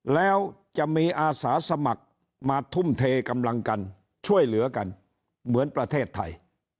แล้วจะมีอาสาสมัครมาทุ่มเทกำลังกันช่วยเหลือกันเหมือนประเทศไทย